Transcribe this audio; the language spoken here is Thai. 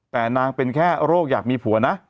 แต่นางเป็นแค่โรคอยากมีผัวนะ